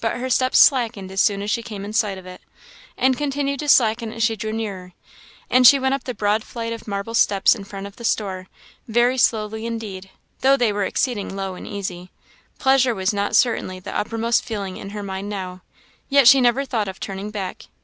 But her steps slackened as soon as she came in sight of it, and continued to slacken as she drew nearer, and she went up the broad flight of marble steps in front of the store, very slowly indeed, though they were exceeding low and easy. Pleasure was not certainly the uppermost feeling in her mind now; yet she never thought of turning back.